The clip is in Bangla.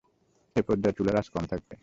এ পর্যায়ে চুলার আঁচ কম থাকবে।